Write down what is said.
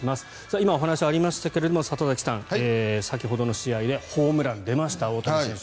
今、お話がありましたが里崎さん先ほどの試合でホームラン出ました、大谷選手。